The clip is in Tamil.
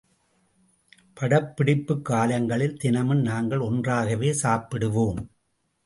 படப்பிடிப்புக் காலங்களில் தினமும் நாங்கள் ஒன்றாகவே சாப்பிடுவோம்.